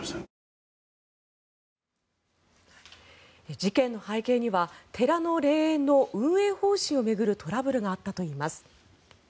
事件の背景には寺の霊園の運営方針を巡るトラブルがあったといいます。